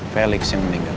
felix yang meninggal